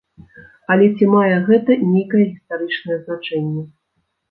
Але ці мае гэта нейкае гістарычнае значэнне?